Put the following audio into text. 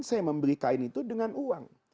saya membeli kain itu dengan uang